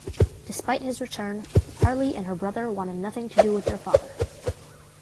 Despite his return, Harley and her brother wanted nothing to do with their father.